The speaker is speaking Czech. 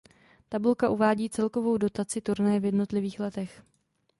Tabulka uvádí celkovou dotaci turnaje v jednotlivých letech.